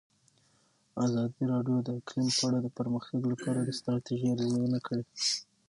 ازادي راډیو د اقلیم په اړه د پرمختګ لپاره د ستراتیژۍ ارزونه کړې.